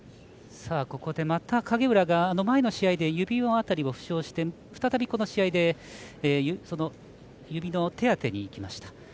影浦が前の試合で指の辺りを負傷して再びこの試合で指の手当てにいきました。